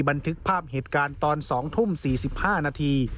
บันทึกภาพเหตุการณ์ตอน๒ทุ่ม๔๕นาที